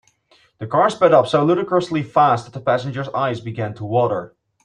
The car sped up so ludicrously fast that the passengers eyes began to water.